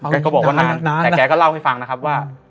แกก็บอกว่านานแต่แกก็เล่าให้ฟังนะครับว่า